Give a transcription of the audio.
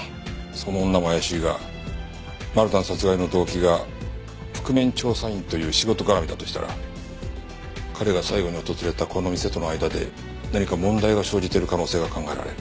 その女も怪しいがマルタン殺害の動機が覆面調査員という仕事絡みだとしたら彼が最後に訪れたこの店との間で何か問題が生じている可能性が考えられる。